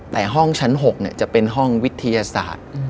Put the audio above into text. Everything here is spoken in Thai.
แต่ห้องชั้น๖จะเป็นห้องวิทยาศาสตร์